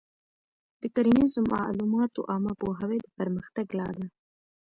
د کرنیزو معلوماتو عامه پوهاوی د پرمختګ لاره ده.